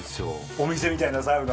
お店みたいなサウナ。